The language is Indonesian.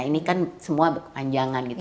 ini kan semua berkepanjangan gitu